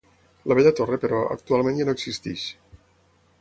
La vella torre, però, actualment ja no existeix.